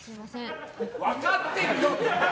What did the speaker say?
分かってるよ！